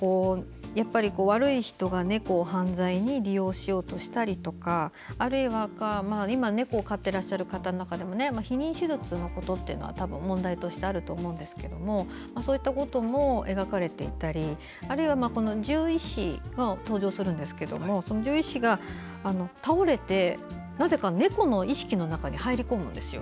悪い人が犯罪に利用しようとしたりとかあるいは今、猫を飼っていらっしゃる方の中でも避妊手術のことは問題としてあると思うんですけどそういったことも描かれていたりあるいは獣医師が登場するんですけれどもその獣医師が倒れてなぜか猫の意識の中に入り込むんですよ。